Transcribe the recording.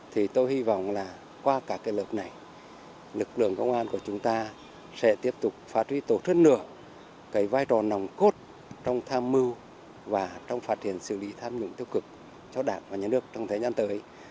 thì tôi hy vọng là qua cả cái lực này lực lượng công an của chúng ta sẽ tiếp tục phát huy tổ chức nữa cái vai trò nồng cốt trong tham mưu và trong phát triển xử lý tham nhũng tiêu cực cho đảng và nhà nước trong thời gian tới